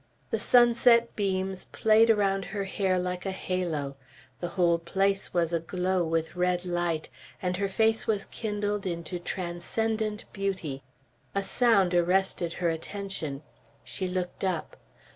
The sunset beams played around her hair like a halo; the whole place was aglow with red light, and her face was kindled into transcendent beauty. A sound arrested her attention. She looked up.